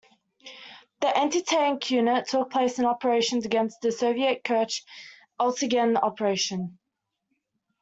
The anti-tank unit took part in operations against the Soviet Kerch-Eltigen Operation.